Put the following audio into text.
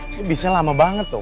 ini bisnya lama banget tuh